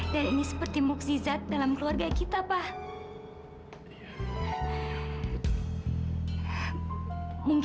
dan ini seperti muksizat dalam keluarga kita pak